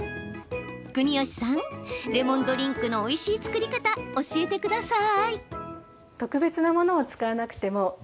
国吉さん、レモンドリンクのおいしい作り方、教えてください。